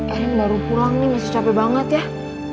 elen baru pulang nih masih capek banget yah